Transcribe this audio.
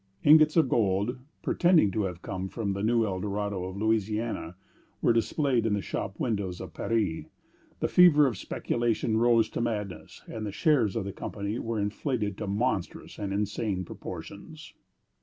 Ingots of gold, pretending to have come from the new Eldorado of Louisiana, were displayed in the shop windows of Paris. The fever of speculation rose to madness, and the shares of the company were inflated to monstrous and insane proportions.